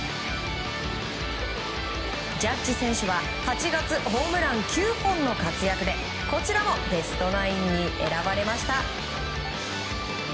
ジャッジ選手は８月ホームラン９本の活躍でこちらもベストナインに選ばれました。